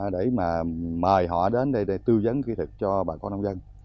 để mà mời họ đến đây tư vấn kỹ thuật cho bà con nông dân